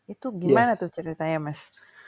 itu gimana tuh ceritanya mas